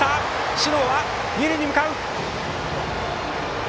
小竹は二塁へ向かった！